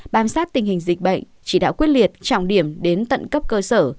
bám sát tình hình dịch bệnh chỉ đạo quyết liệt trọng điểm đến tận cấp cơ sở